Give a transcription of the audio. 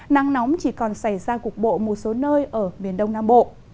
nắng nóng chỉ còn xảy ra cục bộ một số nơi ở miền đông nam bộ